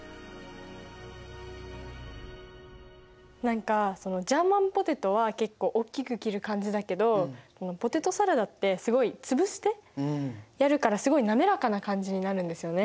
何かジャーマンポテトは結構大きく切る感じだけどポテトサラダってすごい潰してやるからすごい滑らかな感じになるんですよね。